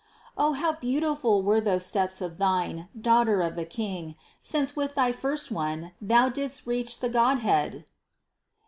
Oh how beautiful were those steps of thine, Daughter of the King, since with thy first one Thou didst reach the Godhead